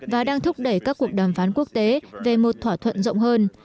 và đang thúc đẩy các cuộc đàm phán quốc tế về một thỏa thuận rộng hơn